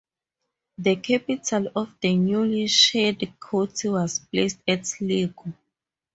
The capital of the newly shired county was placed at Sligo.